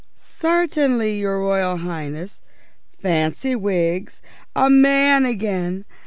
"Certainly, your Royal Highness. Fancy, Wiggs, a man again!